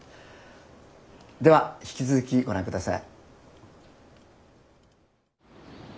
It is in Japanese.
では引き続きご覧下さい。